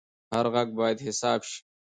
هر غږ باید حساب شي